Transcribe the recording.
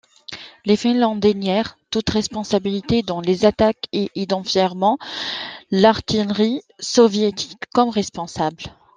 Les Finlandais nièrent toute responsabilité dans les attaques et identifièrent l'artillerie soviétique comme responsable.